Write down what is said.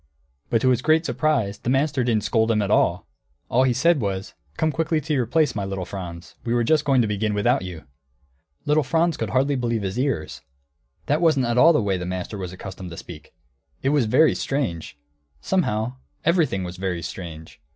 But to his great surprise the master didn't scold at all. All he said was, "Come quickly to your place, my little Franz; we were just going to begin without you!" Little Franz could hardly believe his ears; that wasn't at all the way the master was accustomed to speak. It was very strange! Somehow everything was very strange.